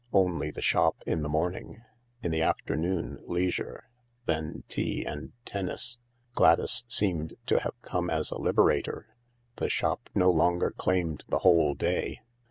Only the shop in the morning. In the afternoon leisure, then tea and tennis. Gladys seemed to have come as a liberator. The shop no longer claimed the whole day.